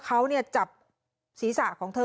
เขาเนี่ยจับศีรษะของเธอ